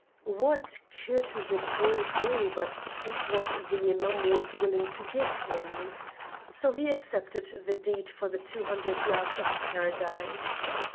What could the Jew do but take what the Imam was willing to give him? So he accepted the deed for the two hundred yards of Paradise.